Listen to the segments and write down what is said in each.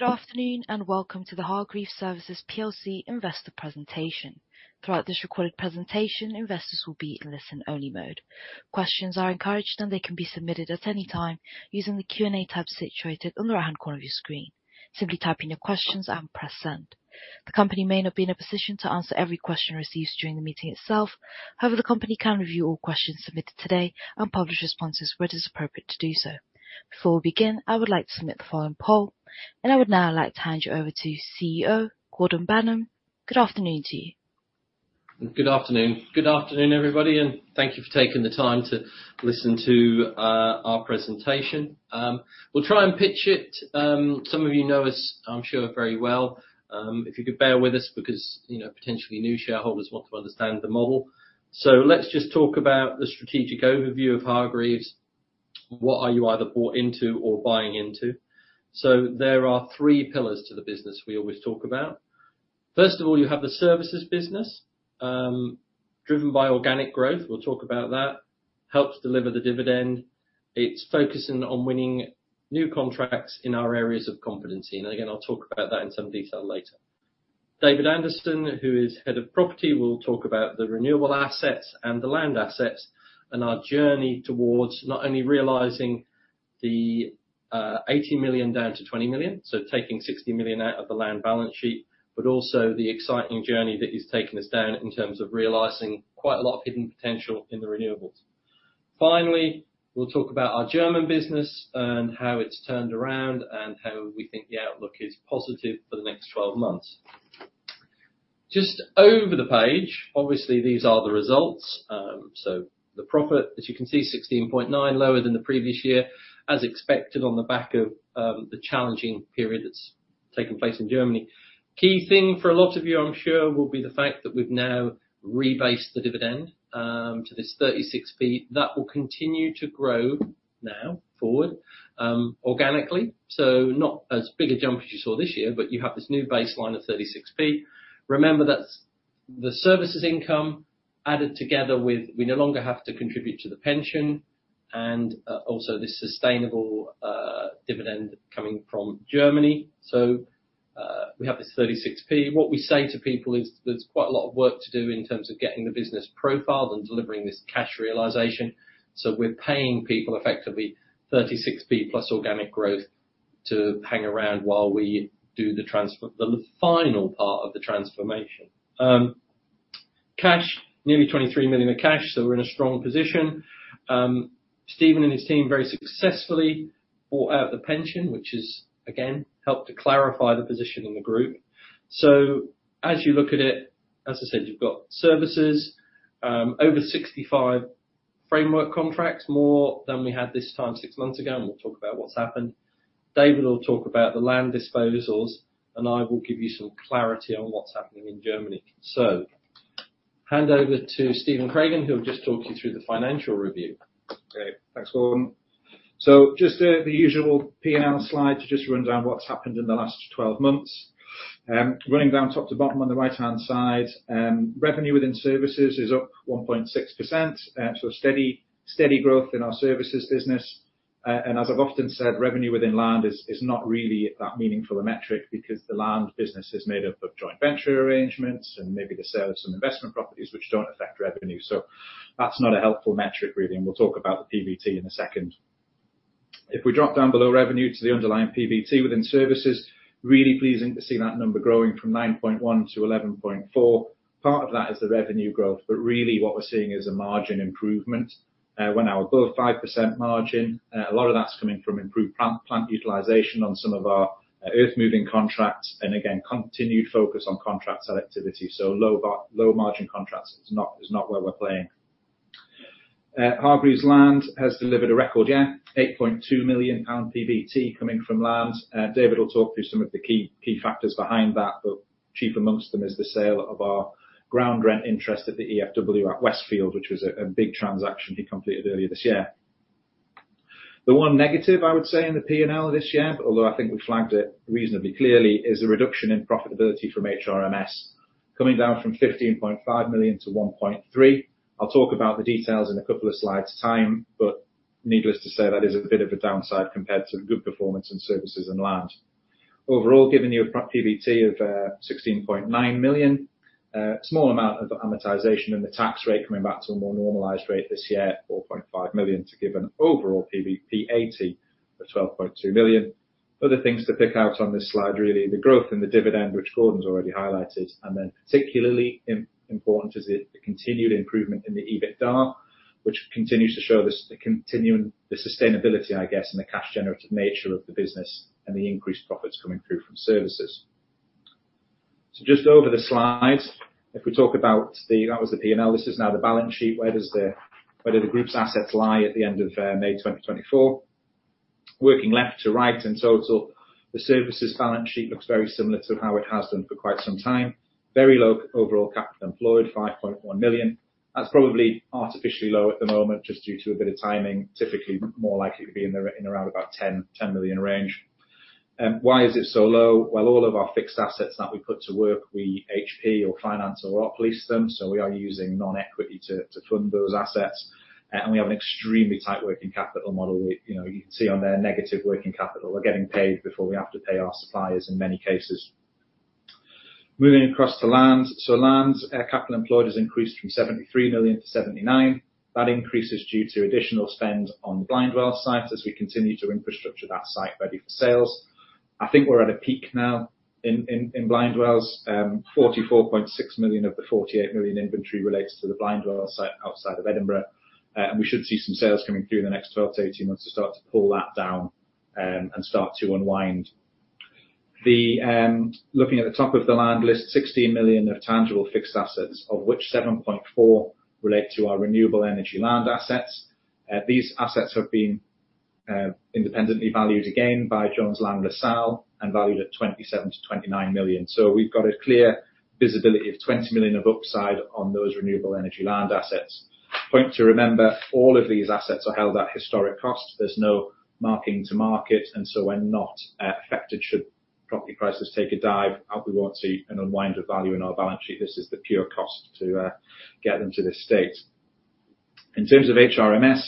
Good afternoon and welcome to the Hargreaves Services plc investor presentation. Throughout this recorded presentation, investors will be in listen-only mode. Questions are encouraged, and they can be submitted at any time using the Q&A tab situated on the right-hand corner of your screen. Simply type in your questions and press send. The company may not be in a position to answer every question received during the meeting itself; however, the company can review all questions submitted today and publish responses where it is appropriate to do so. Before we begin, I would like to submit the following poll, and I would now like to hand you over to CEO Gordon Banham. Good afternoon to you. Good afternoon. Good afternoon, everybody, and thank you for taking the time to listen to our presentation. We'll try and pitch it. Some of you know us, I'm sure, very well if you could bear with us because potentially new shareholders want to understand the model. So let's just talk about the strategic overview of Hargreaves. What are you either bought into or buying into? So there are three pillars to the business we always talk about. First of all, you have the Services business, driven by organic growth. We'll talk about that. Helps deliver the dividend. It's focusing on winning new contracts in our areas of competency. And again, I'll talk about that in some detail later. David Anderson, who is head of property, will talk about the renewable assets and the land assets and our journey towards not only realising the 80 million down to 20 million, so taking 60 million out of the land balance sheet, but also the exciting journey that is taking us down in terms of realising quite a lot of hidden potential in the renewables. Finally, we'll talk about our German business and how it's turned around and how we think the outlook is positive for the next 12 months. Just over the page, obviously, these are the results. So the profit, as you can see, 16.9, lower than the previous year, as expected on the back of the challenging period that's taken place in Germany. Key thing for a lot of you, I'm sure, will be the fact that we've now rebased the dividend to this 0.36. That will continue to grow now forward organically, so not as big a jump as you saw this year, but you have this new baseline of 0.36. Remember, that's the services income added together with we no longer have to contribute to the pension and also this sustainable dividend coming from Germany. So we have this 0.36. What we say to people is there's quite a lot of work to do in terms of getting the business profiled and delivering this cash realization. So we're paying people effectively 0.36 plus organic growth to hang around while we do the final part of the transformation. Cash, nearly 23 million of cash, so we're in a strong position. Stephen and his team very successfully bought out the pension, which has again helped to clarify the position in the group. So as you look at it, as I said, you've got services, over 65 framework contracts, more than we had this time six months ago, and we'll talk about what's happened. David will talk about the land disposals, and I will give you some clarity on what's happening in Germany. So hand over to Stephen Craigan, who will just talk you through the financial review. Great. Thanks, Gordon. So just the usual P&L slide to just run down what's happened in the last 12 months. Running down top to bottom on the right-hand side, revenue within services is up 1.6%, so steady growth in our Services business. And as I've often said, revenue within land is not really that meaningful a metric because the land business is made up of joint venture arrangements and maybe the sale of some investment properties, which don't affect revenue. So that's not a helpful metric, really, and we'll talk about the PBT in a second. If we drop down below revenue to the underlying PBT within services, really pleasing to see that number growing from 9.1 to 11.4. Part of that is the revenue growth, but really what we're seeing is a margin improvement. We're now above 5% margin. A lot of that's coming from improved plant utilisation on some of our earth-moving contracts and, again, continued focus on contract selectivity. So low-margin contracts is not where we're playing. Hargreaves Land has delivered a record year, 8.2 million pound PBT coming from land. David will talk through some of the key factors behind that, but chief amongst them is the sale of our ground rent interest at the EFW at Westfield, which was a big transaction he completed earlier this year. The one negative, I would say, in the P&L this year, although I think we flagged it reasonably clearly, is the reduction in profitability from HRMS, coming down from 15.5 million to 1.3 million. I'll talk about the details in a couple of slides' time, but needless to say, that is a bit of a downside compared to good performance in services and land. Overall, giving you a PBT of 16.9 million, small amount of amortization and the tax rate coming back to a more normalized rate this year, 4.5 million, to give an overall PBT of 12.2 million. Other things to pick out on this slide, really, the growth in the dividend, which Gordon's already highlighted, and then particularly important is the continued improvement in the EBITDA, which continues to show the sustainability, I guess, and the cash-generative nature of the business and the increased profits coming through from services. So just over the slides, if we talk about that was the P&L. This is now the balance sheet. Where do the group's assets lie at the end of May 2024? Working left to right in total, the services balance sheet looks very similar to how it has done for quite some time. Very low overall capital employed, 5.1 million. That's probably artificially low at the moment just due to a bit of timing. Typically more likely to be in around about 10 million range. Why is it so low? Well, all of our fixed assets that we put to work, we HP or finance or outlease them, so we are using non-equity to fund those assets. And we have an extremely tight working capital model. You can see on their negative working capital, we're getting paid before we have to pay our suppliers in many cases. Moving across to land. So land capital employed has increased from 73 million to 79 million. That increase is due to additional spend on the Blindwells site as we continue to infrastructure that site ready for sales. I think we're at a peak now in Blindwells. 44.6 million of the 48 million inventory relates to the Blindwells site outside of Edinburgh. We should see some sales coming through in the next 12 months-18 months to start to pull that down and start to unwind. Looking at the top of the land list, 16 million of tangible fixed assets, of which 7.4 million relate to our renewable energy land assets. These assets have been independently valued again by Jones Lang LaSalle and valued at 27 million-29 million. So we've got a clear visibility of 20 million of upside on those renewable energy land assets. Point to remember, all of these assets are held at historic cost. There's no marking to market, and so when not affected, should property prices take a dive, we won't see an unwind of value in our balance sheet. This is the pure cost to get them to this state. In terms of HRMS,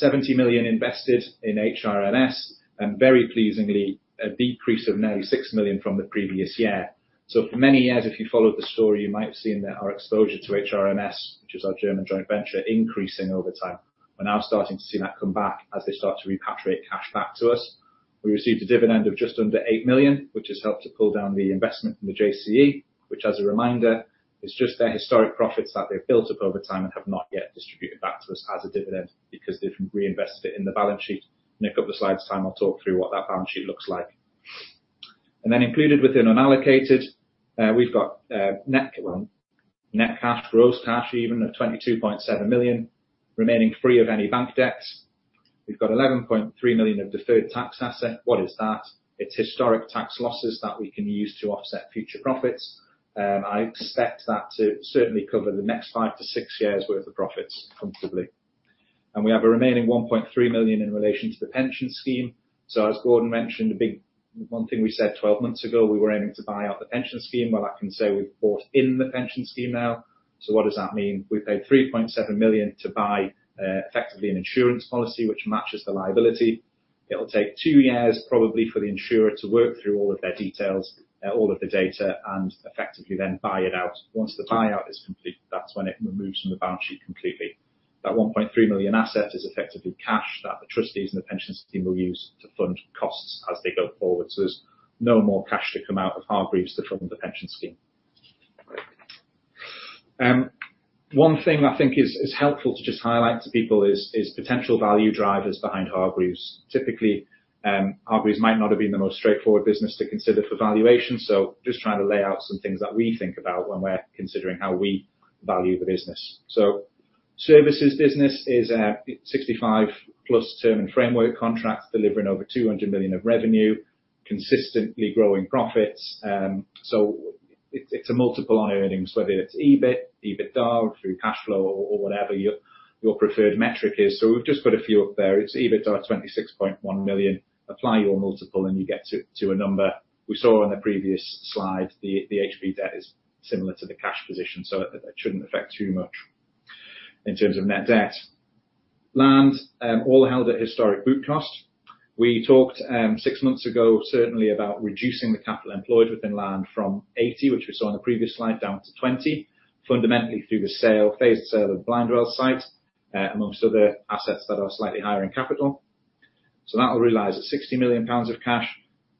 70 million invested in HRMS and very pleasingly a decrease of nearly 6 million from the previous year. So for many years, if you followed the story, you might have seen that our exposure to HRMS, which is our German joint venture, increasing over time. We're now starting to see that come back as they start to repatriate cash back to us. We received a dividend of just under 8 million, which has helped to pull down the investment in the JCE, which, as a reminder, is just their historic profits that they've built up over time and have not yet distributed back to us as a dividend because they've reinvested it in the balance sheet. In a couple of slides time, I'll talk through what that balance sheet looks like. And then included within unallocated, we've got net cash, gross cash even, of 22.7 million, remaining free of any bank debts. We've got 11.3 million of deferred tax asset. What is that? It's historic tax losses that we can use to offset future profits. I expect that to certainly cover the next five to six years worth of profits comfortably. And we have a remaining 1.3 million in relation to the pension scheme. So as Gordon mentioned, one thing we said 12 months ago, we were aiming to buy out the pension scheme. Well, I can say we've bought in the pension scheme now. So what does that mean? We paid 3.7 million to buy effectively an insurance policy, which matches the liability. It'll take 2 years probably for the insurer to work through all of their details, all of the data, and effectively then buy it out. Once the buyout is complete, that's when it removes from the balance sheet completely. That 1.3 million asset is effectively cash that the trustees and the pension scheme will use to fund costs as they go forward. So there's no more cash to come out of Hargreaves to fund the pension scheme. One thing I think is helpful to just highlight to people is potential value drivers behind Hargreaves. Typically, Hargreaves might not have been the most straightforward business to consider for valuation, so just trying to lay out some things that we think about when we're considering how we value the business. So services business is a 65+ term and framework contract delivering over 200 million of revenue, consistently growing profits. So it's a multiple on earnings, whether it's EBIT, EBITDA, through cash flow, or whatever your preferred metric is. So we've just put a few up there. It's EBITDA 26.1 million. Apply your multiple, and you get to a number. We saw on the previous slide, the HP debt is similar to the cash position, so it shouldn't affect too much in terms of net debt. Land, all held at historic book cost. We talked six months ago, certainly, about reducing the capital employed within land from 80, which we saw on the previous slide, down to 20, fundamentally through the phased sale of the Blindwells site, among other assets that are slightly higher in capital. So that will realize at 60 million pounds of cash.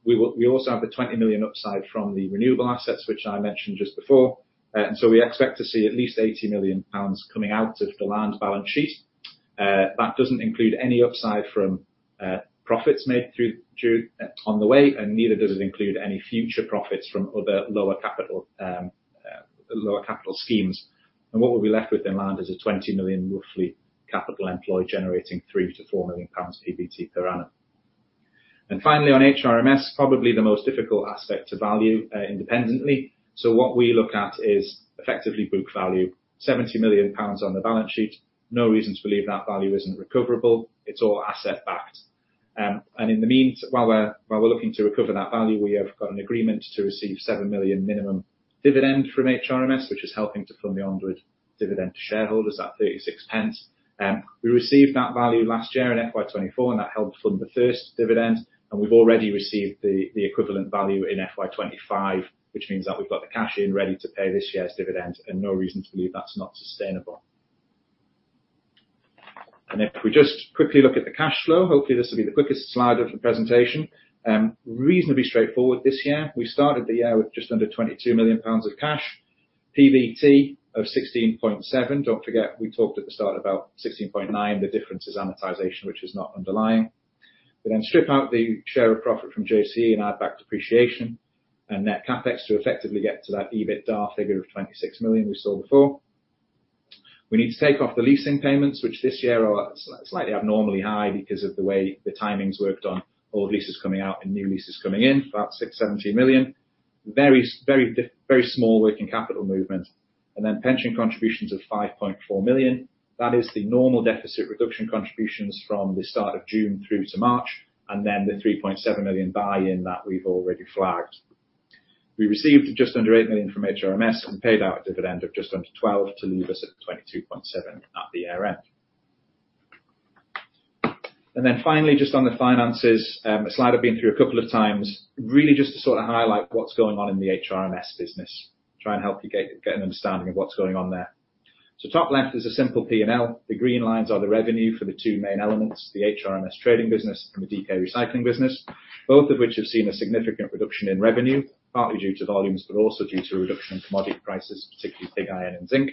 We also have the 20 million upside from the renewable assets, which I mentioned just before. And so we expect to see at least 80 million pounds coming out of the land balance sheet. That doesn't include any upside from profits made on the way, and neither does it include any future profits from other lower capital schemes. What will be left within land is a 20 million roughly capital employed generating 3 million-4 million pounds PBT per annum. Finally, on HRMS, probably the most difficult aspect to value independently. So what we look at is effectively book value, 70 million pounds on the balance sheet. No reason to believe that value isn't recoverable. It's all asset-backed. And in the meantime, while we're looking to recover that value, we have got an agreement to receive 7 million minimum dividend from HRMS, which is helping to fund the onward dividend to shareholders. That's 0.36. We received that value last year in FY 2024, and that helped fund the first dividend. And we've already received the equivalent value in FY 2025, which means that we've got the cash in ready to pay this year's dividend, and no reason to believe that's not sustainable. And if we just quickly look at the cash flow, hopefully, this will be the quickest slide of the presentation, reasonably straightforward this year. We started the year with just under 22 million pounds of cash, PBT of 16.7 million. Don't forget, we talked at the start about 16.9 million. The difference is amortization, which is not underlying. We then strip out the share of profit from JCE and add back depreciation and net CapEx to effectively get to that EBITDA figure of 26 million we saw before. We need to take off the leasing payments, which this year are slightly abnormally high because of the way the timing's worked on old leases coming out and new leases coming in, about 6.17 million. Very small working capital movement. And then pension contributions of 5.4 million. That is the normal deficit reduction contributions from the start of June through to March and then the 3.7 million buy-in that we've already flagged. We received just under 8 million from HRMS and paid out a dividend of just under 12 million to leave us at 22.7 million at the year-end. And then finally, just on the finances, a slide I've been through a couple of times, really just to sort of highlight what's going on in the HRMS business, try and help you get an understanding of what's going on there. So top left is a simple P&L. The green lines are the revenue for the two main elements, the HRMS trading business and the DK recycling business, both of which have seen a significant reduction in revenue, partly due to volumes but also due to a reduction in commodity prices, particularly pig iron and zinc.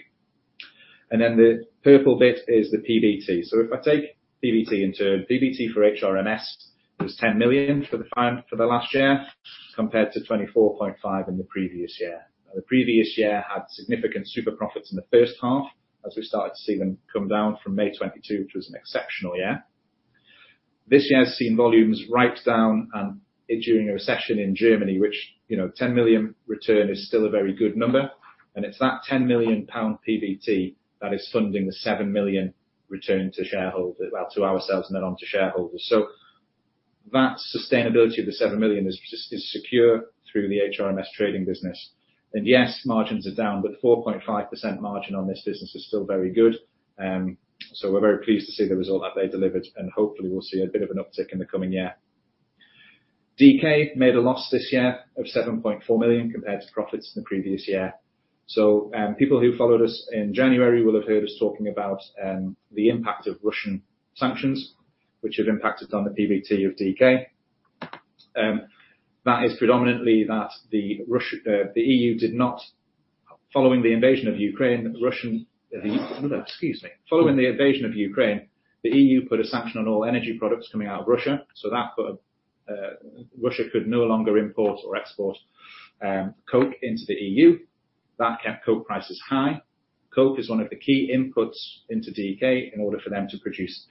Then the purple bit is the PBT. If I take PBT in turn, PBT for HRMS was 10 million for the last year compared to 24.5 million in the previous year. The previous year had significant superprofits in the first half as we started to see them come down from May 2022, which was an exceptional year. This year has seen volumes right down during a recession in Germany, which 10 million return is still a very good number. And it's that 10 million pound PBT that is funding the 7 million return to shareholders, well, to ourselves and then on to shareholders. So that sustainability of the 7 million is secure through the HRMS trading business. And yes, margins are down, but 4.5% margin on this business is still very good. So we're very pleased to see the result that they delivered, and hopefully, we'll see a bit of an uptick in the coming year. DK made a loss this year of 7.4 million compared to profits in the previous year. So people who followed us in January will have heard us talking about the impact of Russian sanctions, which have impacted on the PBT of DK. That is predominantly that the EU did not, following the invasion of Ukraine, Russian excuse me. Following the invasion of Ukraine, the EU put a sanction on all energy products coming out of Russia. So that meant Russia could no longer import or export coke into the EU. That kept coke prices high. Coke is one of the key inputs into DK in order for them to produce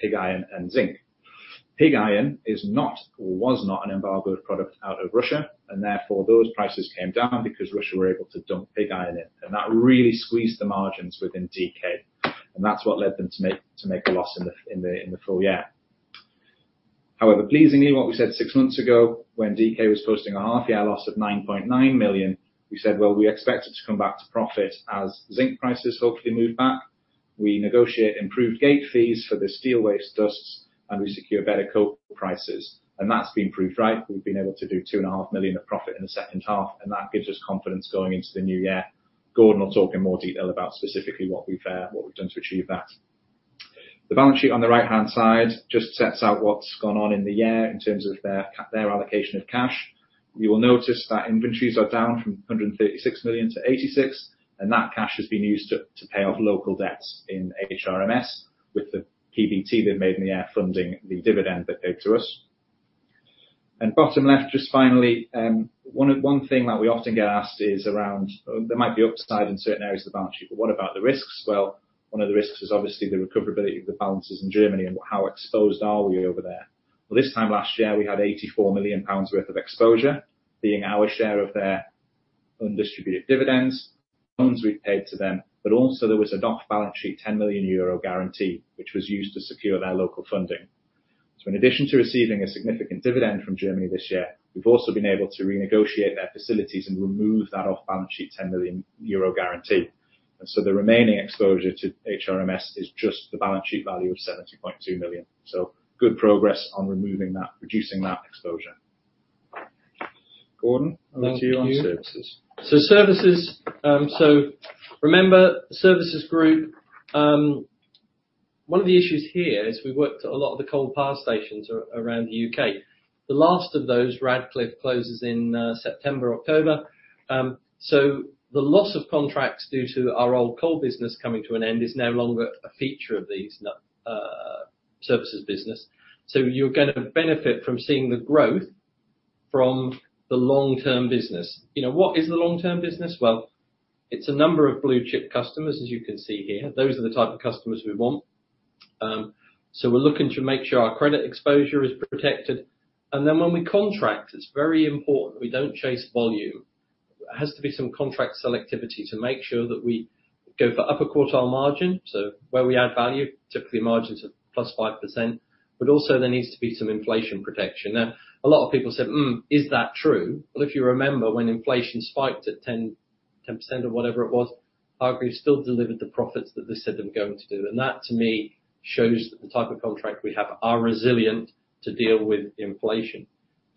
pig iron and zinc. Pig iron is not or was not an embargoed product out of Russia, and therefore, those prices came down because Russia were able to dump pig iron in. And that really squeezed the margins within DK, and that's what led them to make a loss in the full year. However, pleasingly, what we said six months ago when DK was posting a half-year loss of 9.9 million, we said, "Well, we expect it to come back to profit as zinc prices hopefully move back. We negotiate improved gate fees for the steel waste dusts, and we secure better coke prices." That's been proved right. We've been able to do 2.5 million of profit in the second half, and that gives us confidence going into the new year. Gordon will talk in more detail about specifically what we've done, what we've done to achieve that. The balance sheet on the right-hand side just sets out what's gone on in the year in terms of their allocation of cash. You will notice that inventories are down from 136 million to 86 million, and that cash has been used to pay off local debts in HRMS with the PBT they've made in the year funding the dividend they paid to us. Bottom left, just finally, one thing that we often get asked is around there might be upside in certain areas of the balance sheet, but what about the risks? Well, one of the risks is obviously the recoverability of the balances in Germany and how exposed are we over there? Well, this time last year, we had 84 million pounds worth of exposure being our share of their undistributed dividends, loans we'd paid to them, but also, there was an off-balance sheet 10 million euro guarantee, which was used to secure their local funding. So in addition to receiving a significant dividend from Germany this year, we've also been able to renegotiate their facilities and remove that off-balance sheet 10 million euro guarantee. And so the remaining exposure to HRMS is just the balance sheet value of 70.2 million. So good progress on reducing that exposure. Gordon, over to you on services. So, services. So remember, services group, one of the issues here is we worked a lot of the coal power stations around the U.K. The last of those, Ratcliffe, closes in September, October. So the loss of contracts due to our old coal business coming to an end is no longer a feature of the services business. So you're going to benefit from seeing the growth from the long-term business. What is the long-term business? Well, it's a number of blue-chip customers, as you can see here. Those are the type of customers we want. So we're looking to make sure our credit exposure is protected. And then when we contract, it's very important we don't chase volume. There has to be some contract selectivity to make sure that we go for upper-quartile margin, so where we add value, typically margins of +5%, but also, there needs to be some inflation protection. Now, a lot of people said, "Is that true?" Well, if you remember when inflation spiked at 10% or whatever it was, Hargreaves still delivered the profits that they said they were going to do. And that, to me, shows that the type of contract we have are resilient to deal with inflation.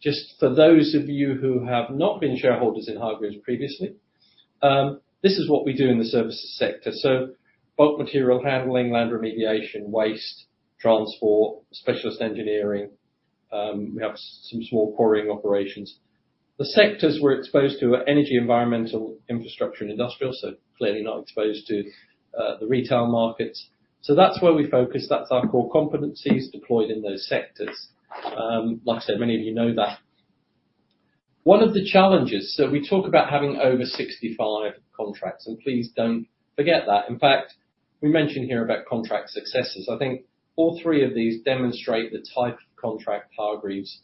Just for those of you who have not been shareholders in Hargreaves previously, this is what we do in the services sector. So bulk material handling, land remediation, waste, transport, specialist engineering. We have some small quarrying operations. The sectors we're exposed to are energy, environmental, infrastructure, and industrial, so clearly not exposed to the retail markets. So that's where we focus. That's our core competencies deployed in those sectors. Like I said, many of you know that. One of the challenges so we talk about having over 65 contracts, and please don't forget that. In fact, we mention here about contract successes. I think all three of these demonstrate the type of contract Hargreaves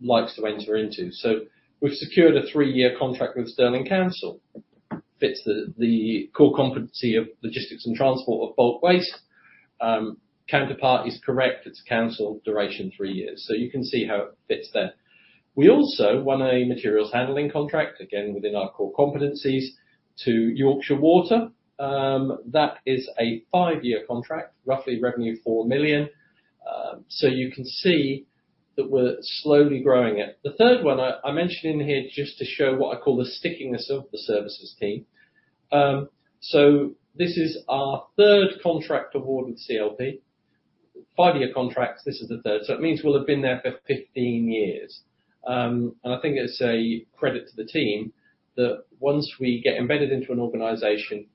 likes to enter into. So we've secured a three-year contract with Stirling Council. It fits the core competency of logistics and transport of bulk waste. Counterpart is correct. It's council duration three years. So you can see how it fits there. We also won a materials handling contract, again, within our core competencies, to Yorkshire Water. That is a five-year contract, roughly revenue 4 million. So you can see that we're slowly growing it. The third one I mention in here just to show what I call the stickiness of the services team. So this is our third contract-awarded CLP. Five-year contracts, this is the third. So it means we'll have been there for 15 years. And I think it's a credit to the team that once we get embedded into an organization,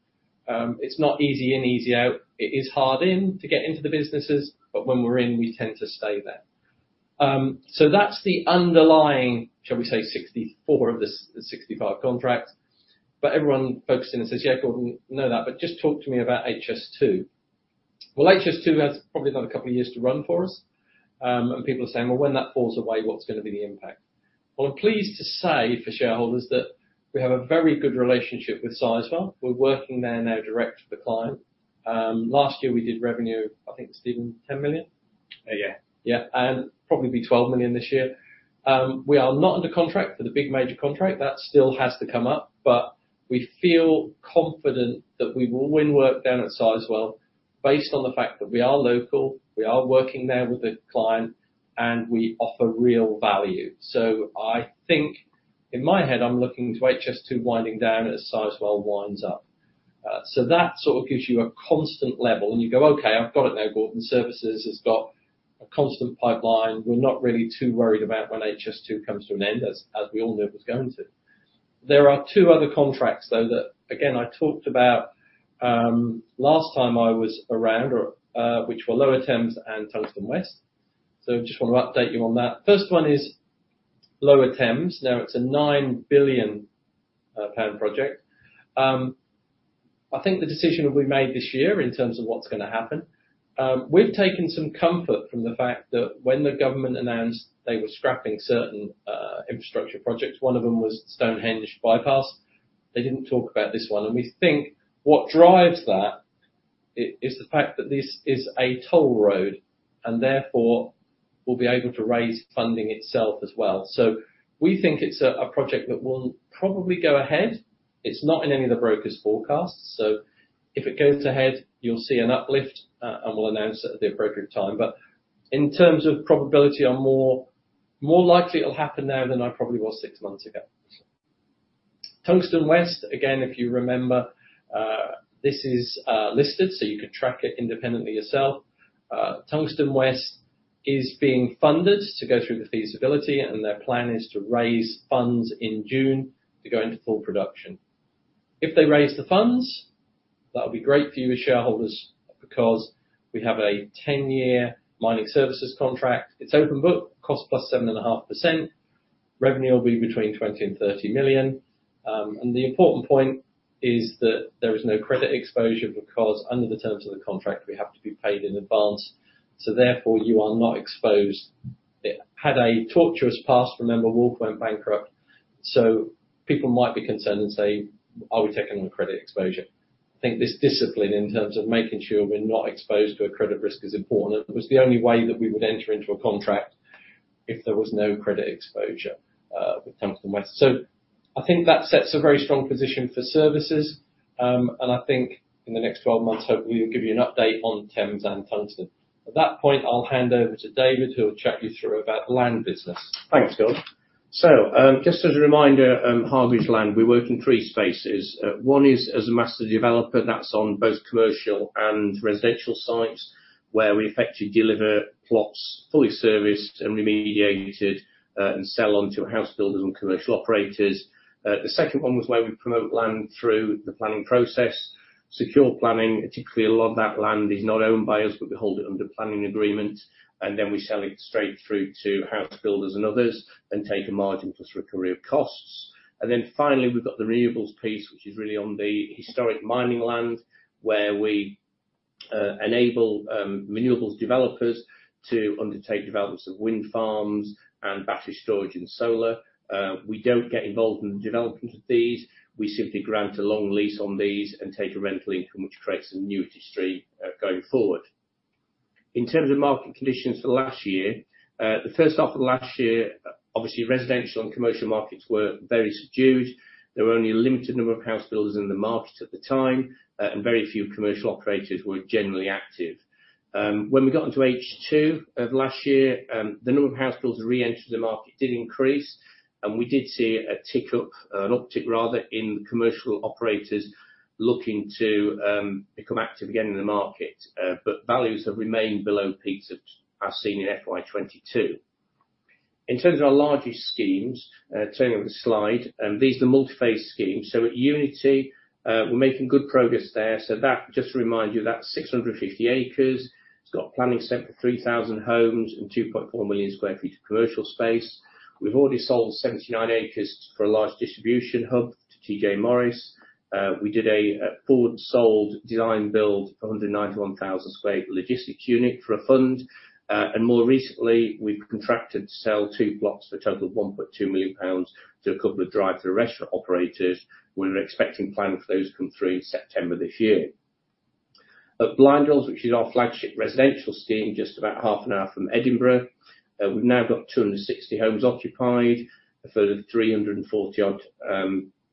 it's not easy in, easy out. It is hard in to get into the businesses, but when we're in, we tend to stay there. So that's the underlying, shall we say, 64 contracts of the 65 contracts. But everyone focused in and says, "Yeah, Gordon, know that, but just talk to me about HS2." Well, HS2 has probably another couple of years to run for us. And people are saying, "Well, when that falls away, what's going to be the impact?" Well, I'm pleased to say for shareholders that we have a very good relationship with Sizewell. We're working there now direct with the client. Last year, we did revenue, I think, Stephen, 10 million. Yeah. Yeah. And probably be 12 million this year. We are not under contract for the big major contract. That still has to come up. But we feel confident that we will win work down at Sizewell based on the fact that we are local, we are working there with the client, and we offer real value. So I think, in my head, I'm looking to HS2 winding down as Sizewell winds up. So that sort of gives you a constant level, and you go, "Okay, I've got it now, Gordon. Services has got a constant pipeline. We're not really too worried about when HS2 comes to an end, as we all knew it was going to." There are two other contracts, though, that, again, I talked about last time I was around, which were Lower Thames and Tungsten West. So I just want to update you on that. First one is Lower Thames. Now, it's a 9 billion pound project. I think the decision will be made this year in terms of what's going to happen. We've taken some comfort from the fact that when the government announced they were scrapping certain infrastructure projects, one of them was Stonehenge Bypass. They didn't talk about this one. And we think what drives that is the fact that this is a toll road and, therefore, will be able to raise funding itself as well. So we think it's a project that will probably go ahead. It's not in any of the broker's forecasts. So if it goes ahead, you'll see an uplift, and we'll announce it at the appropriate time. But in terms of probability, I'm more likely it'll happen now than I probably was six months ago. Tungsten West, again, if you remember, this is listed, so you could track it independently yourself. Tungsten West is being funded to go through the feasibility, and their plan is to raise funds in June to go into full production. If they raise the funds, that'll be great for you as shareholders because we have a 10-year mining services contract. It's open book, cost +7.5%. Revenue will be between 20 million and 30 million. And the important point is that there is no credit exposure because, under the terms of the contract, we have to be paid in advance. So, therefore, you are not exposed. It had a tortuous past. Remember, Wolf went bankrupt. So people might be concerned and say, "Are we taking on credit exposure?" I think this discipline in terms of making sure we're not exposed to a credit risk is important. It was the only way that we would enter into a contract if there was no credit exposure with Tungsten West. So I think that sets a very strong position for services. And I think in the next 12 months, hopefully, we'll give you an update on Thames and Tungsten. At that point, I'll hand over to David, who'll chat you through about land business. Thanks, Gordon. So just as a reminder, Hargreaves Land, we work in three spaces. One is as a master developer. That's on both commercial and residential sites where we effectively deliver plots fully serviced and remediated and sell on to house builders and commercial operators. The second one was where we promote land through the planning process, secure planning. Typically, a lot of that land is not owned by us, but we hold it under planning agreement. And then we sell it straight through to house builders and others and take a margin plus recovery of costs. And then finally, we've got the renewables piece, which is really on the historic mining land where we enable renewables developers to undertake developments of wind farms and battery storage and solar. We don't get involved in the development of these. We simply grant a long lease on these and take a rental income, which creates an annuity stream going forward. In terms of market conditions for last year, the first half of last year, obviously, residential and commercial markets were very subdued. There were only a limited number of house builders in the market at the time, and very few commercial operators were generally active. When we got into H2 of last year, the number of house builders who re-entered the market did increase, and we did see an uptick, rather, in the commercial operators looking to become active again in the market. But values have remained below peaks as seen in FY 2022. In terms of our largest schemes, turning over the slide, these are the multi-phase schemes. So at Unity, we're making good progress there. So just to remind you, that's 650 acres. It's got planning set for 3,000 homes and 2.4 million sq ft of commercial space. We've already sold 79 acres for a large distribution hub to TJ Morris. We did a forward-sold design build for 191,000 sq ft logistics unit for a fund. And more recently, we've contracted to sell two plots for a total of 1.2 million pounds to a couple of drive-thru restaurant operators. We're expecting planning for those to come through September this year. At Blindwells, which is our flagship residential scheme, just about half an hour from Edinburgh, we've now got 260 homes occupied, a further 340-odd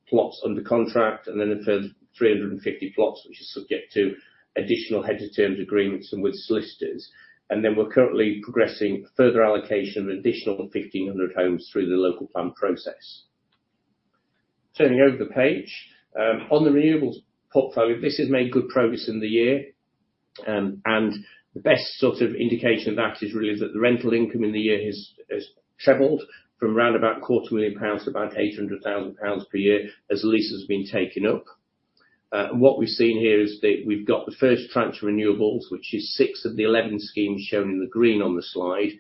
plots under contract, and then a further 350 plots, which are subject to additional head-to-terms agreements and with solicitors. And then we're currently progressing further allocation of additional 1,500 homes through the local plan process. Turning over the page, on the renewables portfolio, this has made good progress in the year. And the best sort of indication of that is really that the rental income in the year has trebled from around about 25 million pounds to about 800,000 pounds per year as leases have been taken up. What we've seen here is that we've got the first tranche of renewables, which is six of the 11 schemes shown in the green on the slide,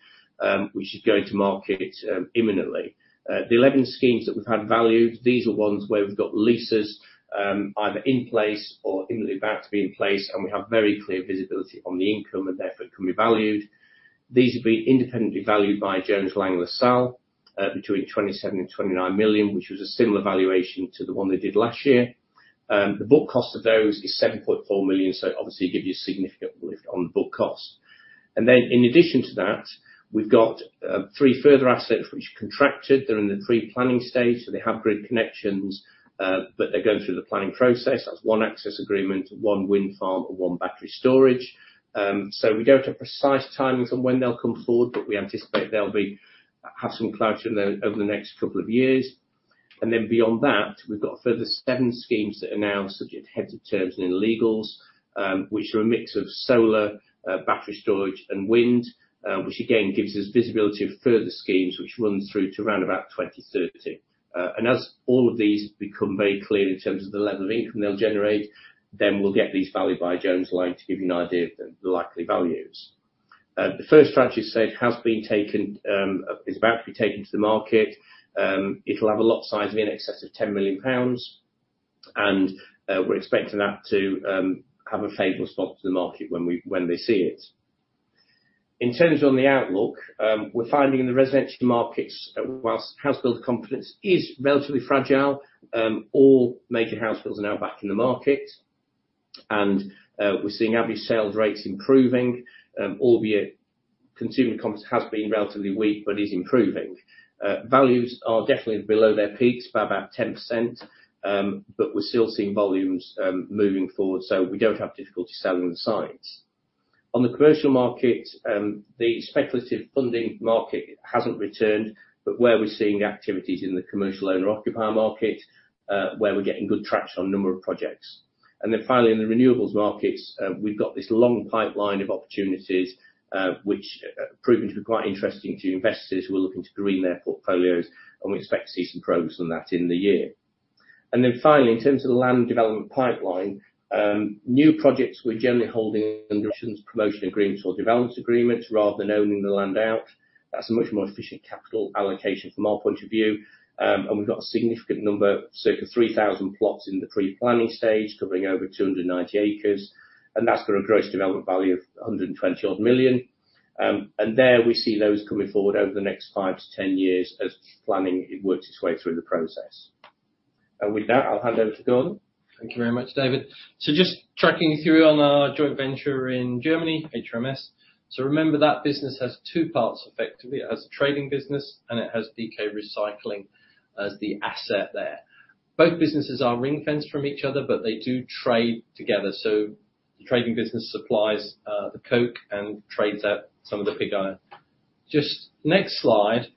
which is going to market imminently. The 11 schemes that we've had valued, these are ones where we've got leases either in place or imminently about to be in place, and we have very clear visibility on the income and, therefore, it can be valued. These have been independently valued by Jones Lang LaSalle at 27 million-29 million, which was a similar valuation to the one they did last year. The book cost of those is 7.4 million, so obviously, it gives you a significant lift on the book cost. Then in addition to that, we've got three further assets which contracted. They're in the pre-planning stage. They have grid connections, but they're going through the planning process. That's one access agreement, one wind farm, and one battery storage. So we don't have precise timings on when they'll come forward, but we anticipate they'll have some clout over the next couple of years. And then beyond that, we've got further seven schemes that are now subject to heads of terms and legals, which are a mix of solar, battery storage, and wind, which, again, gives us visibility of further schemes which run through to around about 2030. And as all of these become very clear in terms of the level of income they'll generate, then we'll get these valued by Jones Lang LaSalle to give you an idea of the likely values. The first tranche, as I said, has been taken, is about to be taken to the market. It'll have a lot size of in excess of 10 million pounds. We're expecting that to have a favorable response to the market when they see it. In terms of the outlook, we're finding in the residential markets, while house builder confidence is relatively fragile, all major house builders are now back in the market. We're seeing average sales rates improving, albeit consumer confidence has been relatively weak but is improving. Values are definitely below their peaks by about 10%, but we're still seeing volumes moving forward, so we don't have difficulty selling the sites. On the commercial market, the speculative funding market hasn't returned, but where we're seeing activities in the commercial owner-occupier market, where we're getting good traction on a number of projects. And then finally, in the renewables markets, we've got this long pipeline of opportunities which have proven to be quite interesting to investors who are looking to green their portfolios, and we expect to see some progress on that in the year. Then finally, in terms of the land development pipeline, new projects we're generally holding under promotion agreements or development agreements rather than owning the land out. That's a much more efficient capital allocation from our point of view. We've got a significant number, circa 3,000 plots in the pre-planning stage covering over 290 acres. That's got a gross development value of 120-odd million. There, we see those coming forward over the next five years-10 years as planning works its way through the process. With that, I'll hand over to Gordon. Thank you very much, David. So just tracking you through on our joint venture in Germany, HRMS. So remember, that business has two parts, effectively. It has a trading business, and it has DK Recycling as the asset there. Both businesses are ring-fenced from each other, but they do trade together. So the trading business supplies the coke and trades out some of the pig iron. Just next slide,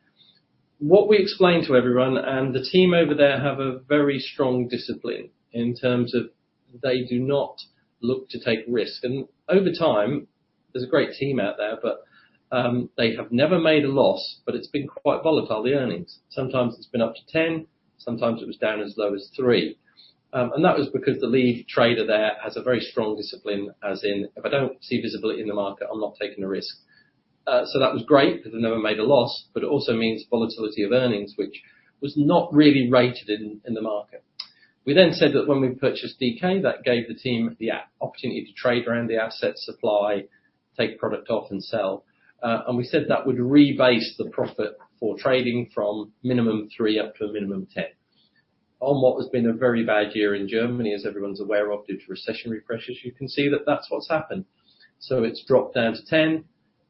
what we explain to everyone and the team over there have a very strong discipline in terms of they do not look to take risk. And over time, there's a great team out there, but they have never made a loss, but it's been quite volatile, the earnings. Sometimes it's been up to 10. Sometimes it was down as low as 3. That was because the lead trader there has a very strong discipline, as in, "If I don't see visibility in the market, I'm not taking a risk." So that was great because they've never made a loss, but it also means volatility of earnings, which was not really rated in the market. We then said that when we purchased DK, that gave the team the opportunity to trade around the asset supply, take product off, and sell. And we said that would rebase the profit for trading from minimum three up to a minimum 10. On what has been a very bad year in Germany, as everyone's aware of due to recession pressures, you can see that that's what's happened. So it's dropped down to 10.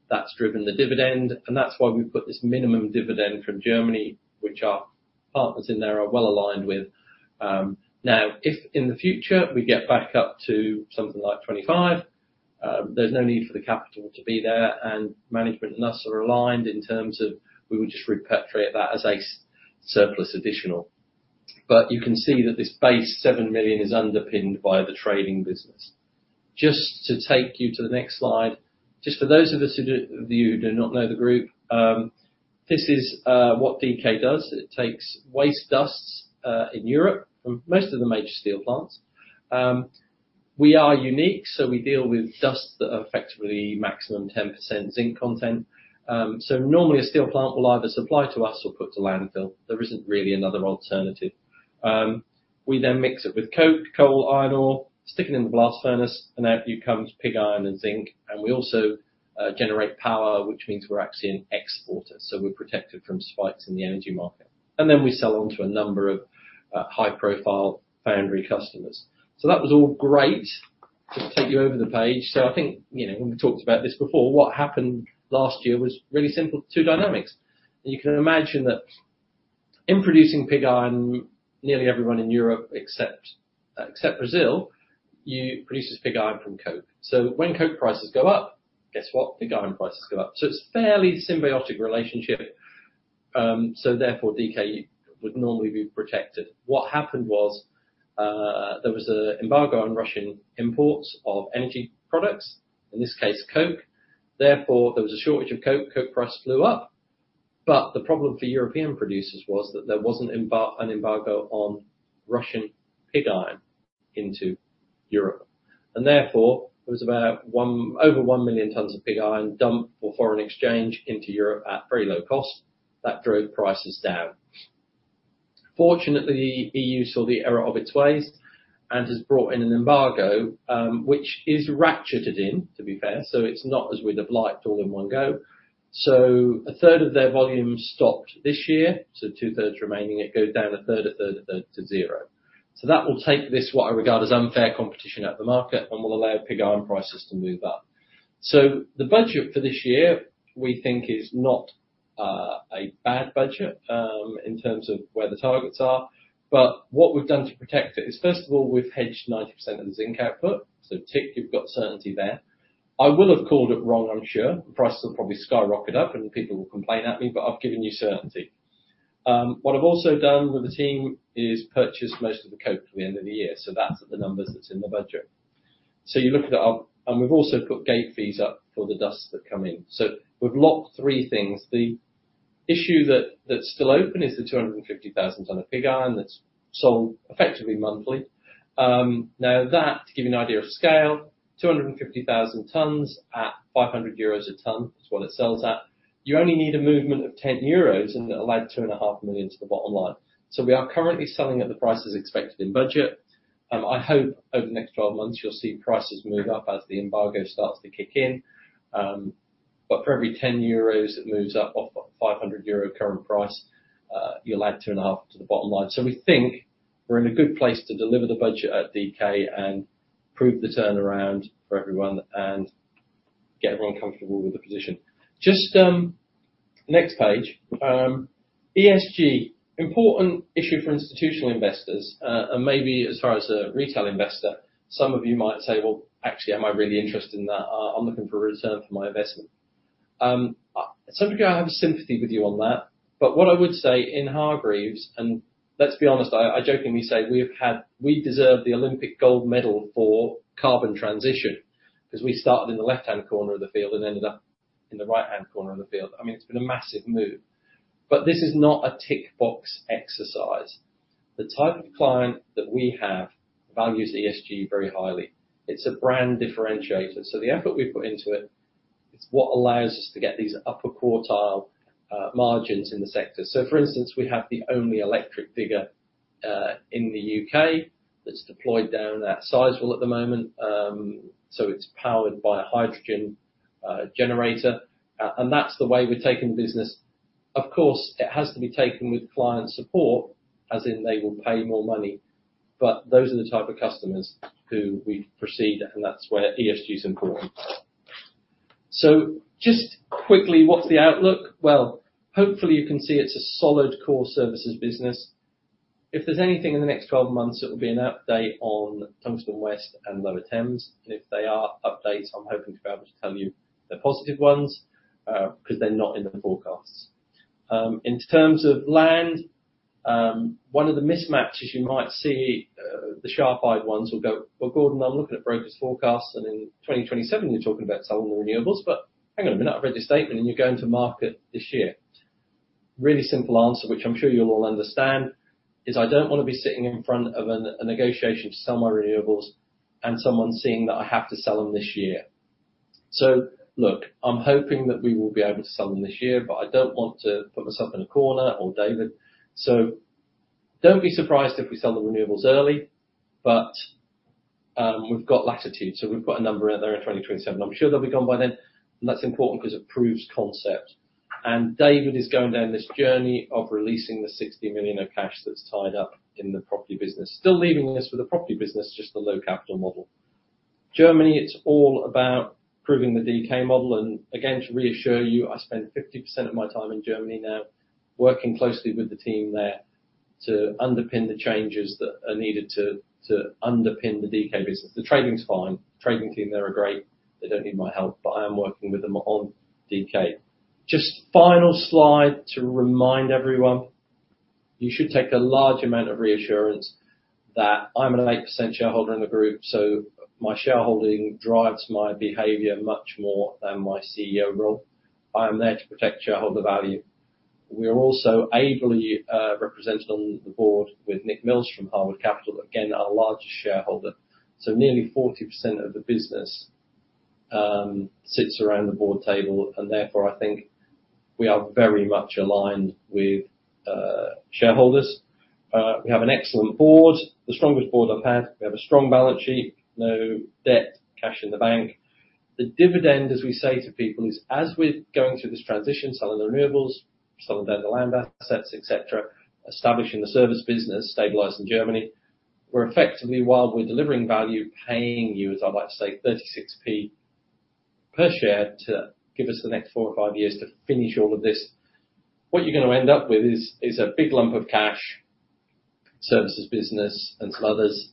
That's driven the dividend. And that's why we've put this minimum dividend from Germany, which our partners in there are well aligned with. Now, if in the future we get back up to something like 25, there's no need for the capital to be there, and management and us are aligned in terms of we would just repatriate that as a surplus additional. But you can see that this base 7 million is underpinned by the trading business. Just to take you to the next slide, just for those of you who do not know the group, this is what DK does. It takes waste dusts in Europe from most of the major steel plants. We are unique, so we deal with dusts that are effectively maximum 10% zinc content. So normally, a steel plant will either supply to us or put to landfill. There isn't really another alternative. We then mix it with coal, iron ore, stick it in the blast furnace, and out you come with pig iron and zinc. And we also generate power, which means we're actually an exporter, so we're protected from spikes in the energy market. And then we sell on to a number of high-profile foundry customers. So that was all great to take you over the page. So I think when we talked about this before, what happened last year was really simple, two dynamics. And you can imagine that in producing pig iron, nearly everyone in Europe except Brazil produces pig iron from coke. So when coke prices go up, guess what? Pig iron prices go up. So it's a fairly symbiotic relationship. So, therefore, DK would normally be protected. What happened was there was an embargo on Russian imports of energy products, in this case, coke. Therefore, there was a shortage of coke. Coke price flew up. But the problem for European producers was that there wasn't an embargo on Russian pig iron into Europe. And therefore, there was over 1,000,000 tonnes of pig iron dumped for foreign exchange into Europe at very low cost. That drove prices down. Fortunately, the EU saw the error of its ways and has brought in an embargo, which is ratcheted in, to be fair. So it's not as we'd have liked all in one go. So a third of their volume stopped this year. So two-thirds remaining. It goes down a third, a third, a third to zero. So that will take this, what I regard as unfair competition at the market, and will allow pig iron prices to move up. So the budget for this year, we think, is not a bad budget in terms of where the targets are. But what we've done to protect it is, first of all, we've hedged 90% of the zinc output. So tick, you've got certainty there. I will have called it wrong, I'm sure. Prices will probably skyrocket up, and people will complain at me, but I've given you certainty. What I've also done with the team is purchased most of the coke at the end of the year. So that's the numbers that's in the budget. So you look at it, and we've also put gate fees up for the dusts that come in. So we've locked three things. The issue that's still open is the 250,000-tonne pig iron that's sold effectively monthly. Now, that, to give you an idea of scale, 250,000 tonnes at 500 euros a tonne is what it sells at. You only need a movement of 10 euros, and it'll add 2.5 million to the bottom line. So we are currently selling at the price as expected in budget. I hope over the next 12 months, you'll see prices move up as the embargo starts to kick in. But for every 10 euros it moves up off 500 euro current price, you'll add 2.5 to the bottom line. So we think we're in a good place to deliver the budget at DK and prove the turnaround for everyone and get everyone comfortable with the position. Next page, ESG, important issue for institutional investors. And maybe as far as a retail investor, some of you might say, "Well, actually, am I really interested in that? I'm looking for a return for my investment." Some of you, I have a sympathy with you on that. But what I would say in Hargreaves and let's be honest, I jokingly say we deserve the Olympic gold medal for carbon transition because we started in the left-hand corner of the field and ended up in the right-hand corner of the field. I mean, it's been a massive move. But this is not a tick-box exercise. The type of client that we have values ESG very highly. It's a brand differentiator. So the effort we've put into it, it's what allows us to get these upper-quartile margins in the sector. So, for instance, we have the only electric digger in the U.K. that's deployed down at Sizewell at the moment. So it's powered by a hydrogen generator. And that's the way we're taking the business. Of course, it has to be taken with client support, as in they will pay more money. But those are the type of customers who we proceed, and that's where ESG is important. So just quickly, what's the outlook? Well, hopefully, you can see it's a solid core services business. If there's anything in the next 12 months, it will be an update on Tungsten West and Lower Thames Crossing. And if there are updates, I'm hoping to be able to tell you the positive ones because they're not in the forecasts. In terms of land, one of the mismatches, you might see the sharp-eyed ones will go, "Well, Gordon, I'm looking at broker's forecasts, and in 2027, you're talking about selling the renewables. But hang on a minute. I've read your statement, and you're going to market this year." Really simple answer, which I'm sure you'll all understand, is, "I don't want to be sitting in front of a negotiation to sell my renewables and someone seeing that I have to sell them this year." So look, I'm hoping that we will be able to sell them this year, but I don't want to put myself in a corner or David. So don't be surprised if we sell the renewables early, but we've got latitude. So we've put a number out there in 2027. I'm sure they'll be gone by then. And that's important because it proves concept. And David is going down this journey of releasing the 60 million of cash that's tied up in the property business, still leaving us with a property business, just the low-capital model. Germany, it's all about proving the DK model. And again, to reassure you, I spend 50% of my time in Germany now working closely with the team there to underpin the changes that are needed to underpin the DK business. The trading's fine. Trading team, they're great. They don't need my help, but I am working with them on DK. Just final slide to remind everyone, you should take a large amount of reassurance that I'm an 8% shareholder in the group, so my shareholding drives my behavior much more than my CEO role. I am there to protect shareholder value. We are also ably represented on the board with Nick Mills from Harwood Capital, again, our largest shareholder. So nearly 40% of the business sits around the board table. And therefore, I think we are very much aligned with shareholders. We have an excellent board, the strongest board I've had. We have a strong balance sheet, no debt, cash in the bank. The dividend, as we say to people, is, "As we're going through this transition, selling the renewables, selling down the land assets, etc., establishing the service business, stabilizing Germany, we're effectively, while we're delivering value, paying you, as I like to say, 0.36 per share to give us the next four or five years to finish all of this." What you're going to end up with is a big lump of cash, services business, and some others,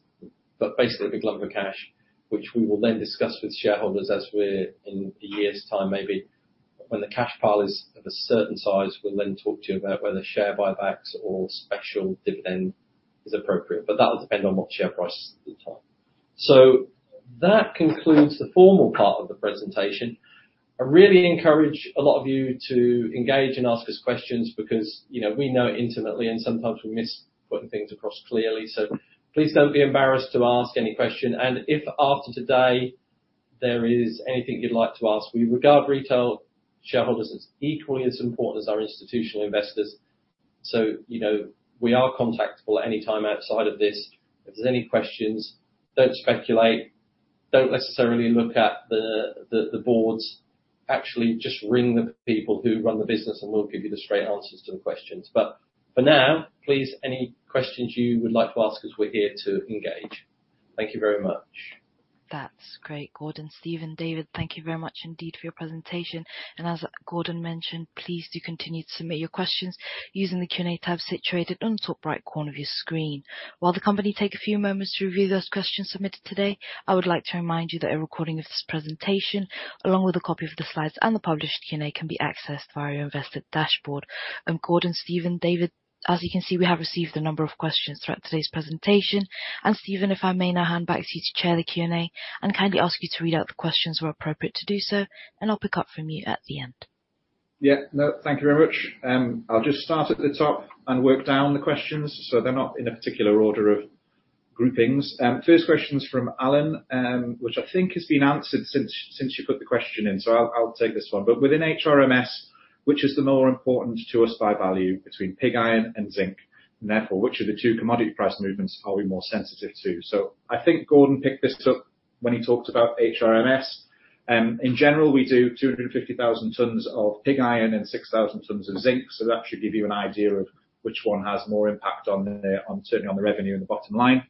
but basically a big lump of cash, which we will then discuss with shareholders as we're in a year's time, maybe. When the cash pile is of a certain size, we'll then talk to you about whether share buybacks or special dividend is appropriate. But that will depend on what the share price is at the time. That concludes the formal part of the presentation. I really encourage a lot of you to engage and ask us questions because we know it intimately, and sometimes we miss putting things across clearly. Please don't be embarrassed to ask any question. If after today there is anything you'd like to ask, we regard retail shareholders as equally as important as our institutional investors. We are contactable at any time outside of this. If there's any questions, don't speculate. Don't necessarily look at the boards. Actually, just ring the people who run the business, and we'll give you the straight answers to the questions. For now, please, any questions you would like to ask us, we're here to engage. Thank you very much. That's great, Gordon, Stephen, David. Thank you very much indeed for your presentation. As Gordon mentioned, please do continue to submit your questions using the Q&A tab situated on the top right corner of your screen. While the company take a few moments to review those questions submitted today, I would like to remind you that a recording of this presentation, along with a copy of the slides and the published Q&A, can be accessed via your investor dashboard. Gordon, Stephen, David, as you can see, we have received a number of questions throughout today's presentation. Stephen, if I may, now hand back to you to chair the Q&A and kindly ask you to read out the questions where appropriate to do so. I'll pick up from you at the end. Yeah. No, thank you very much. I'll just start at the top and work down the questions so they're not in a particular order of groupings. First question's from Alan, which I think has been answered since you put the question in. So I'll take this one. But within HRMS, which is the more important to us by value between pig iron and zinc? And therefore, which of the two commodity price movements are we more sensitive to? So I think Gordon picked this up when he talked about HRMS. In general, we do 250,000 tonnes of pig iron and 6,000 tonnes of zinc. So that should give you an idea of which one has more impact on certainly on the revenue and the bottom line.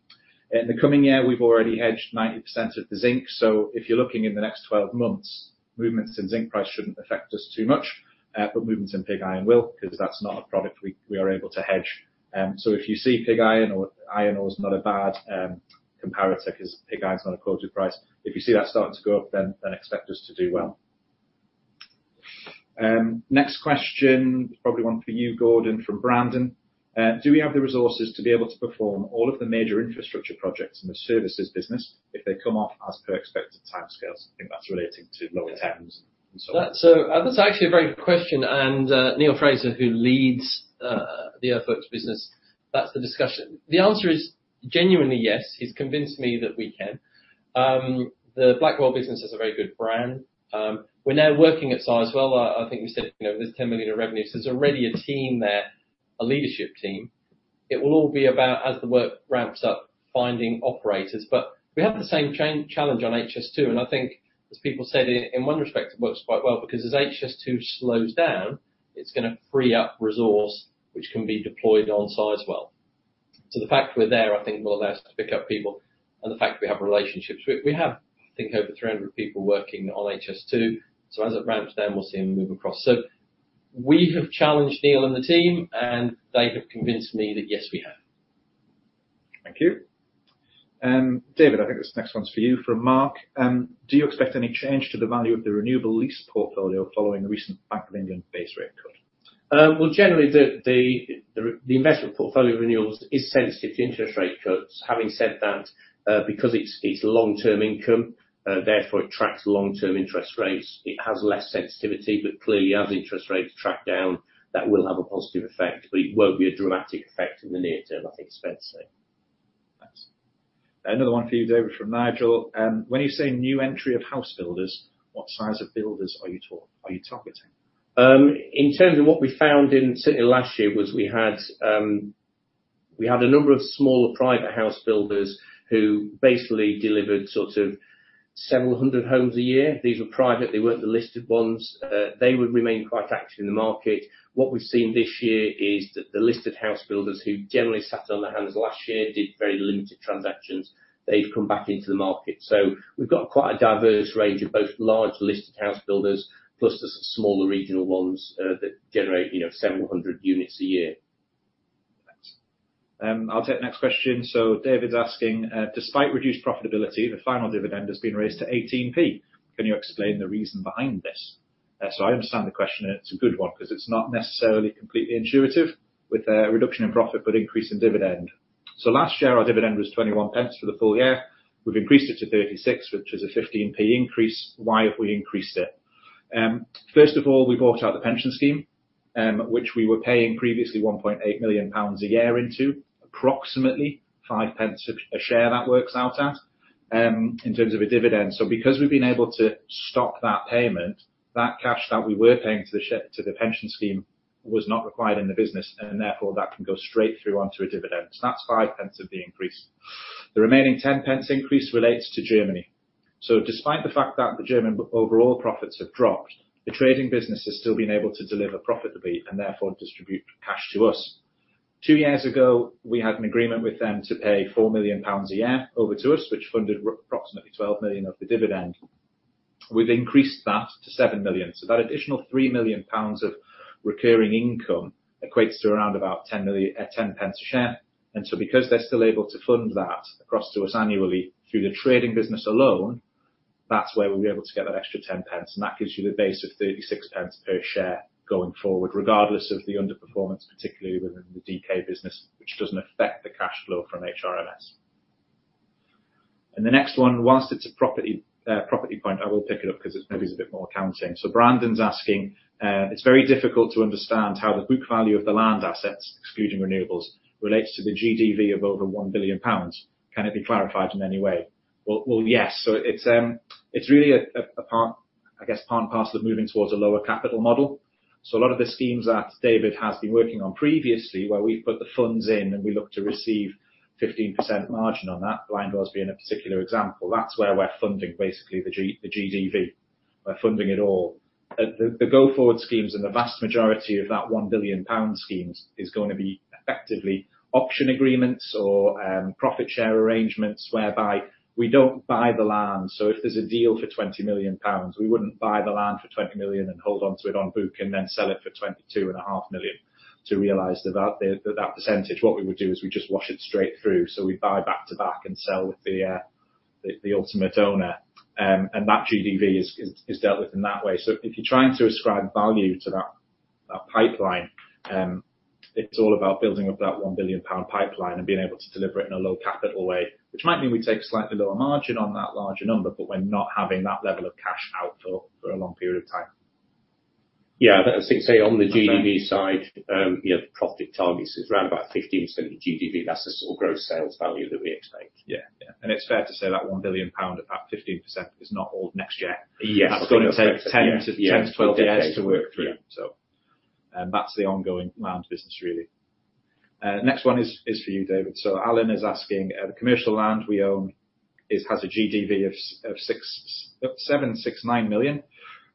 In the coming year, we've already hedged 90% of the zinc. So if you're looking in the next 12 months, movements in zinc price shouldn't affect us too much. But movements in pig iron will because that's not a product we are able to hedge. So if you see pig iron or iron ore is not a bad comparator because pig iron's not a quoted price, if you see that starting to go up, then expect us to do well. Next question, probably one for you, Gordon, from Brandon. Do we have the resources to be able to perform all of the major infrastructure projects in the services business if they come off as per expected timescales? I think that's relating to Lower Thames and so on. So that's actually a very good question. And Niall Fraser, who leads the earthworks business, that's the discussion. The answer is genuinely yes. He's convinced me that we can. The Blackwell business has a very good brand. We're now working at Sizewell. I think we said there's 10 million of revenue. So there's already a team there, a leadership team. It will all be about, as the work ramps up, finding operators. But we have the same challenge on HS2. And I think, as people said, in one respect, it works quite well because as HS2 slows down, it's going to free up resource, which can be deployed on Sizewell. So the fact we're there, I think, will allow us to pick up people and the fact we have relationships. We have, I think, over 300 people working on HS2. So as it ramps down, we'll see them move across. So we have challenged Niall and the team, and they have convinced me that, yes, we have. Thank you. David, I think this next one's for you from Mark. Do you expect any change to the value of the renewable lease portfolio following the recent Bank of England base rate cut? Well, generally, the investment portfolio renewables is sensitive to interest rate cuts. Having said that, because it's long-term income, therefore, it tracks long-term interest rates, it has less sensitivity. But clearly, as interest rates track down, that will have a positive effect. But it won't be a dramatic effect in the near term, I think it's fair to say. Thanks. Another one for you, David, from Nigel. When you say new entry of house builders, what size of builders are you targeting? In terms of what we found in certainly last year was we had a number of smaller private house builders who basically delivered sort of several hundred homes a year. These were private. They weren't the listed ones. They would remain quite active in the market. What we've seen this year is that the listed house builders who generally sat on their hands last year, did very limited transactions, they've come back into the market. So we've got quite a diverse range of both large listed house builders plus the smaller regional ones that generate several hundred units a year. Thanks. I'll take the next question. So David's asking, despite reduced profitability, the final dividend has been raised to 0.18. Can you explain the reason behind this? So I understand the question, and it's a good one because it's not necessarily completely intuitive with a reduction in profit but increase in dividend. So last year, our dividend was 0.21 for the full year. We've increased it to 0.36, which is a 0.15 increase. Why have we increased it? First of all, we bought out the pension scheme, which we were paying previously 1.8 million pounds a year into, approximately 0.05 a share that works out at in terms of a dividend. So because we've been able to stop that payment, that cash that we were paying to the pension scheme was not required in the business. And therefore, that can go straight through onto a dividend. That's 0.05 of the increase. The remaining 0.10 increase relates to Germany. So despite the fact that the German overall profits have dropped, the trading business has still been able to deliver profitably and therefore distribute cash to us. Two years ago, we had an agreement with them to pay 4 million pounds a year over to us, which funded approximately 12 million of the dividend. We've increased that to 7 million. So that additional 3 million pounds of recurring income equates to around about 0.10 a share. And so because they're still able to fund that across to us annually through the trading business alone, that's where we'll be able to get that extra 0.10. And that gives you the base of 0.36 per share going forward, regardless of the underperformance, particularly within the DK business, which doesn't affect the cash flow from HRMS. The next one, while it's a property point, I will pick it up because it maybe is a bit more accounting. So Brandon's asking, it's very difficult to understand how the book value of the land assets, excluding renewables, relates to the GDV of over 1 billion pounds. Can it be clarified in any way? Well, yes. So it's really, I guess, part and parcel of moving towards a lower-capital model. So a lot of the schemes that David has been working on previously, where we've put the funds in and we look to receive 15% margin on that, Blindwells being a particular example, that's where we're funding basically the GDV. We're funding it all. The go-forward schemes and the vast majority of that 1 billion pound schemes is going to be effectively option agreements or profit-share arrangements whereby we don't buy the land. So if there's a deal for 20 million pounds, we wouldn't buy the land for 20 million and hold onto it on book and then sell it for 22.5 million to realise that percentage. What we would do is we just wash it straight through. So we'd buy back to back and sell with the ultimate owner. And that GDV is dealt with in that way. So if you're trying to ascribe value to that pipeline, it's all about building up that 1 billion pound pipeline and being able to deliver it in a low-capital way, which might mean we take a slightly lower margin on that larger number, but we're not having that level of cash out for a long period of time. Yeah. I think, say, on the GDV side, the profit target is around about 15% of the GDV. That's the sort of gross sales value that we expect. Yeah. Yeah. And it's fair to say that 1 billion pound, if that 15% is not all next year, that's going to take 10 years-12 years to work through. So that's the ongoing land business, really. Next one is for you, David. So Alan is asking, the commercial land we own has a GDV of 769 million.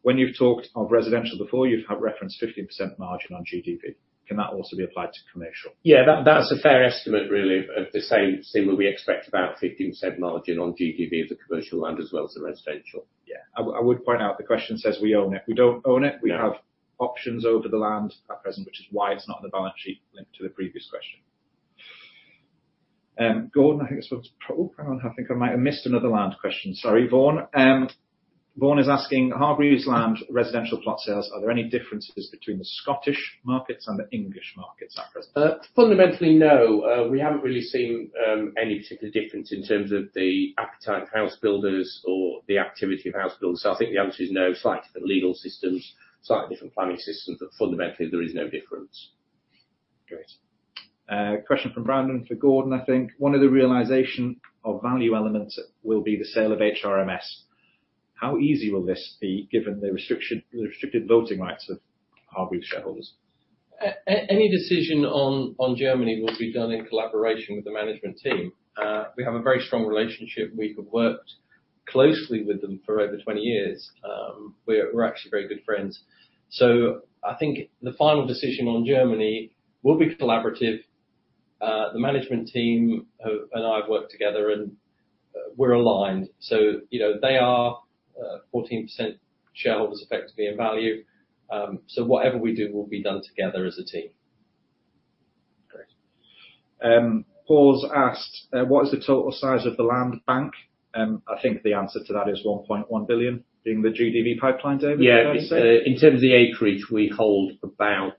When you've talked of residential before, you've referenced 15% margin on GDV. Can that also be applied to commercial? Yeah. That's a fair estimate, really, of the same where we expect about 15% margin on GDV of the commercial land as well as the residential. Yeah. I would point out the question says, "We own it." We don't own it. We have options over the land at present, which is why it's not in the balance sheet linked to the previous question. Gordon, I think I might have missed another land question. Sorry, Vaughn. Vaughn is asking, Hargreaves Land residential plot sales, are there any differences between the Scottish markets and the English markets at present? Fundamentally, no. We haven't really seen any particular difference in terms of the appetite of house builders or the activity of house builders. So I think the answer is no, slightly different legal systems, slightly different planning systems, but fundamentally, there is no difference. Great. Question from Brandon for Gordon, I think. One of the realization of value elements will be the sale of HRMS. How easy will this be given the restricted voting rights of Hargreaves shareholders? Any decision on Germany will be done in collaboration with the management team. We have a very strong relationship. We have worked closely with them for over 20 years. We're actually very good friends. So I think the final decision on Germany will be collaborative. The management team and I have worked together, and we're aligned. So they are 14% shareholders effectively in value. So whatever we do will be done together as a team. Great. Paul's asked, what is the total size of the land bank? I think the answer to that is 1.1 billion being the GDV pipeline, David, is fair to say? Yeah. In terms of the acreage, we hold about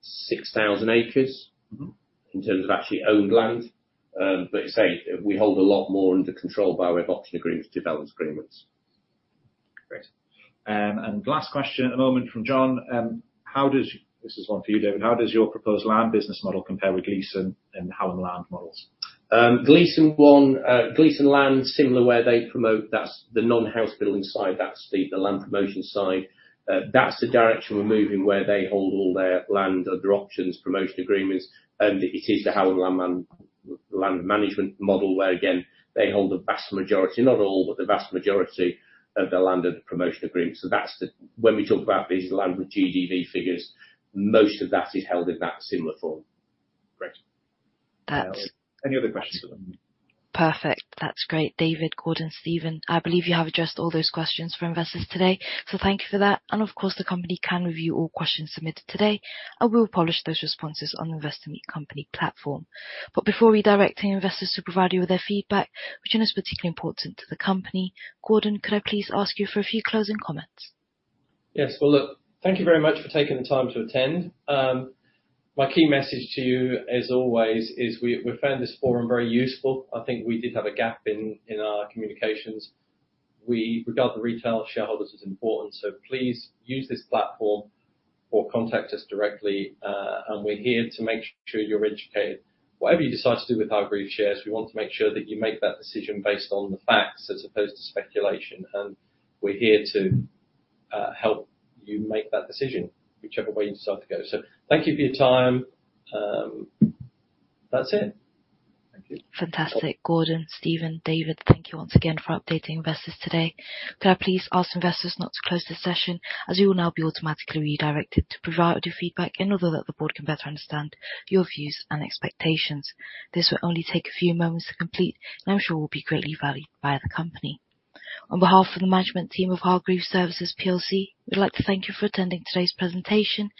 6,000 acres in terms of actually owned land. But as I say, we hold a lot more under control by way of option agreements, development agreements. Great. Last question at the moment from John. This is one for you, David. How does your proposed land business model compare with Gleeson and Hallam Land models? Gleeson Land, similar where they promote, that's the non-house building side. That's the land promotion side. That's the direction we're moving where they hold all their land, other options, promotion agreements. And it is the Hallam Land Management model where, again, they hold a vast majority, not all, but the vast majority of their land under promotion agreements. So when we talk about these land with GDV figures, most of that is held in that similar form. Great. Any other questions for them? Perfect. That's great. David, Gordon, Stephen, I believe you have addressed all those questions for investors today. So thank you for that. And of course, the company can review all questions submitted today, and we'll polish those responses on the Investor Meet Company platform. But before redirecting investors to provide you with their feedback, which one is particularly important to the company? Gordon, could I please ask you for a few closing comments? Yes. Well, look, thank you very much for taking the time to attend. My key message to you, as always, is we found this forum very useful. I think we did have a gap in our communications. We regard the retail shareholders as important. So please use this platform or contact us directly. And we're here to make sure you're educated. Whatever you decide to do with Hargreaves shares, we want to make sure that you make that decision based on the facts as opposed to speculation. And we're here to help you make that decision, whichever way you decide to go. So thank you for your time. That's it. Thank you. Fantastic. Gordon, Stephen, David, thank you once again for updating investors today. Could I please ask investors not to close this session as you will now be automatically redirected to provide your feedback in order that the board can better understand your views and expectations? This will only take a few moments to complete, and I'm sure will be greatly valued by the company. On behalf of the management team of Hargreaves Services plc, we'd like to thank you for attending today's presentation.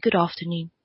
Good afternoon to.